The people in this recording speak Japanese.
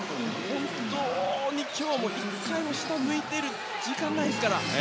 本当に今日は１回も下を向いている時間がないので。